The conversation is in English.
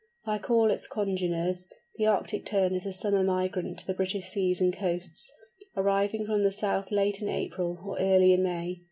Like all its congeners, the Arctic Tern is a summer migrant to the British seas and coasts, arriving from the south late in April or early in May.